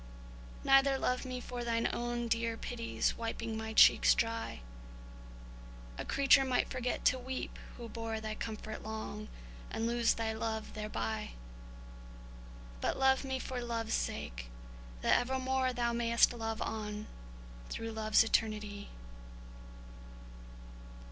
Neither love me for Thine own dear pity's wiping my cheeks dry,— A creature might forget to weep, who bore Thy comfort long, and lose thy love thereby! But love me for love's sake, that evermore Thou may'st love on, through love's eternity.